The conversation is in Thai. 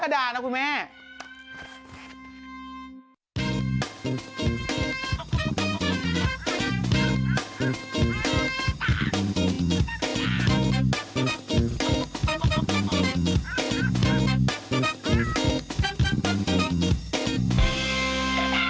ไปละครับชีวิตนี้ไม่ค่อยไปเดือกกระดาษนะคุณแม่